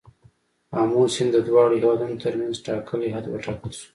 آمو سیند د دواړو هیوادونو تر منځ ټاکلی حد وټاکل شو.